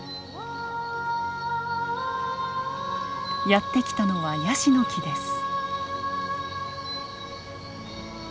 やって来たのはヤシの木です。